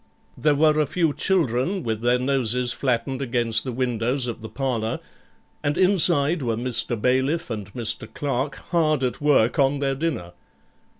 There were a few children with their noses flattened against the windows of the parlour, and inside were Mr. Bailiff and Mr. Clerk hard at work on their dinner.